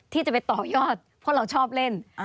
ที่จะไปต่อยอดเพราะเราชอบเล่น